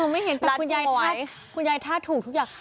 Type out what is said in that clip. ไม่เห็นแต่คุณยายทัดถูกทุกอย่าง